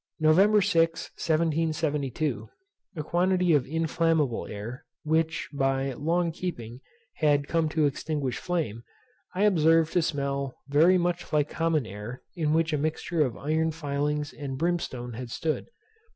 8. November 6, 1772, a quantity of inflammable air, which, by long keeping, had come to extinguish flame, I observed to smell very much like common air in which a mixture of iron filings and brimstone had stood.